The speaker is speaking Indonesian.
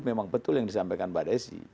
memang betul yang disampaikan mbak desi